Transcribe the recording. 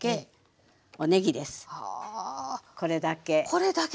これだけ。